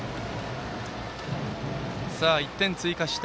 １点追加した